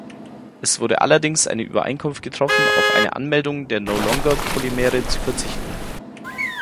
Es wurde allerdings eine Übereinkunft getroffen, auf eine Anmeldung der No-longer-Polymere zu verzichten.